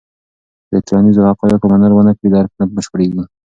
که د ټولنیزو حقایقو منل ونه کړې، درک نه بشپړېږي.